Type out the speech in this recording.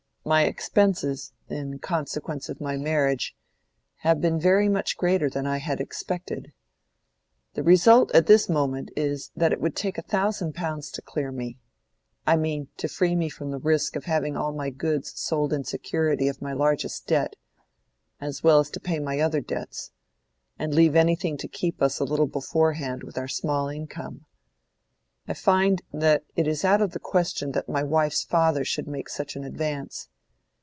My expenses, in consequence of my marriage, have been very much greater than I had expected. The result at this moment is that it would take a thousand pounds to clear me. I mean, to free me from the risk of having all my goods sold in security of my largest debt—as well as to pay my other debts—and leave anything to keep us a little beforehand with our small income. I find that it is out of the question that my wife's father should make such an advance.